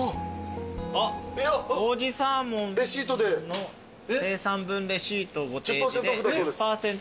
王子サーモンの精算分レシートをご提示で１０％オフ。